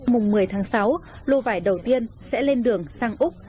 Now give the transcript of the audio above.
mùng một mươi tháng sáu lô vải đầu tiên sẽ lên đường sang úc